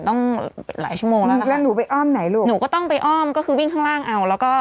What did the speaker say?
ต้องหลายชั่วโมงแล้วนะคะ